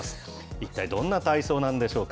一体どんな体操なんでしょうか。